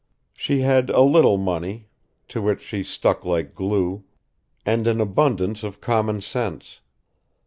She had a little money, to which she stuck like glue, and an abundance of common sense.